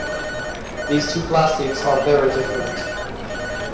These two plastics are very different.